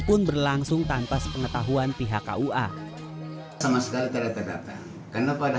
pun berlangsung tanpa sepengetahuan pihak kua sama sekali tidak terdata karena pada